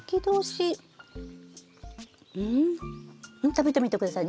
食べてみて下さい。